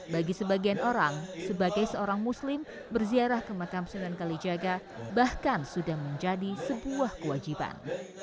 bagi sebagian orang sebagai seorang muslim berziarah ke makam sunan kalijaga bahkan sudah menjadi sebuah kewajiban